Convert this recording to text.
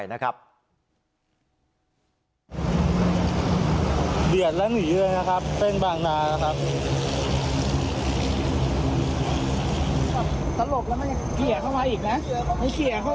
เดี๋ยวคุณไปคุยกันนะครับเป้งบางนาครับ